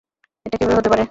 এটা কিভাবে হতে পারে?